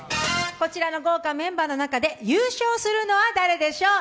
こちらの豪華メンバーの中で優勝するのは誰でしょう。